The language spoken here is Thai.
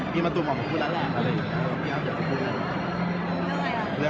พี่อั้มเขาจะได้เห็นว่าที่ทิพกะตุงบวมง่าย